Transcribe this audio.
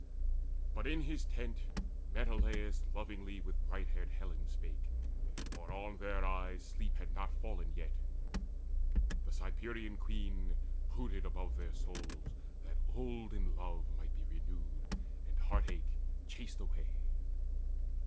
But in his tent Menelaus lovingly With bright haired Helen spake; for on their eyes Sleep had not fallen yet. The Cyprian Queen Brooded above their souls, that olden love Might be renewed, and heart ache chased away.